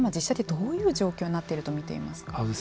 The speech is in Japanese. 今自治体はどういう状況になっていると見ていますか。